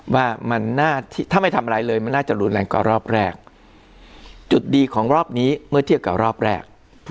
ว่ามันน่าถ้าไม่ทำอะไรเลยมันน่าจะรุนแรงกว่ารอบแรกจุดดีของรอบนี้เมื่อเทียบกับรอบแรก